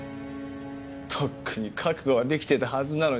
とっくに覚悟はできてたはずなのにさ。